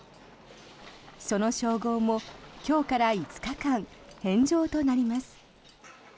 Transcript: その称号も今日から５日間返上となります。